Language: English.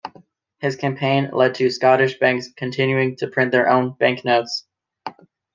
His campaign led to Scottish banks continuing to print their own banknotes.